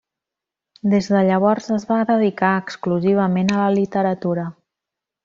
Des de llavors es va dedicar exclusivament a la literatura.